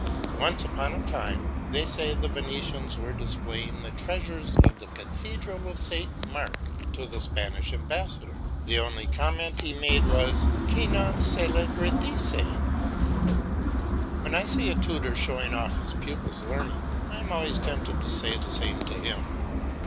Once upon a time, they say the Venetians were displaying the treasures of the Cathedral of Saint Mark to the Spanish ambassador; the only comment he made was, "Qui non c'e la radice." When I see a tutor showing off his pupil's learning, I am always tempted to say the same to him.